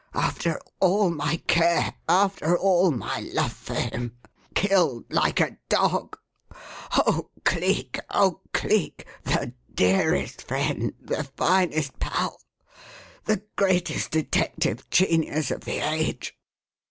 After all my care; after all my love for him! Killed like a dog. Oh, Cleek! Oh, Cleek! The dearest friend the finest pal the greatest detective genius of the age!"